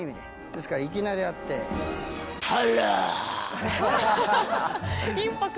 ですからいきなり会ってインパクト。